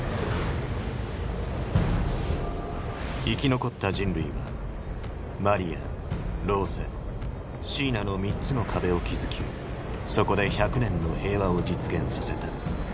生き残った人類は「マリア」「ローゼ」「シーナ」の３つの壁を築きそこで１００年の平和を実現させた。